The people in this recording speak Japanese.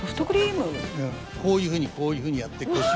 こういうふうにこういうふうにやって腰をこうやって。